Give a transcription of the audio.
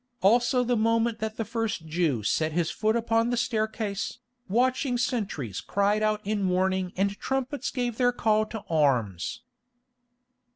Also the moment that the first Jew set his foot upon the staircase, watching sentries cried out in warning and trumpets gave their call to arms.